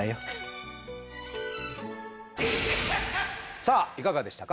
さあいかがでしたか？